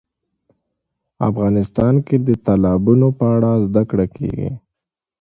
افغانستان کې د تالابونو په اړه زده کړه کېږي.